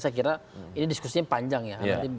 saya kira ini diskusinya panjang ya